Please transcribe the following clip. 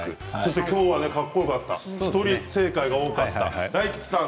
今日はかっこよかった１人正解が多かった大吉さん